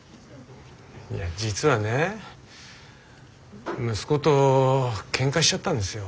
いや実はね息子とケンカしちゃったんですよ。